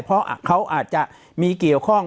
เพราะเขาอาจจะมีเกี่ยวข้อง